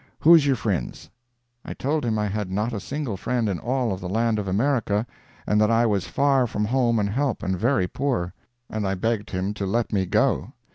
Who's your frinds?" I told him I had not a single friend in all the land of America, and that I was far from home and help, and very poor. And I begged him to let me go.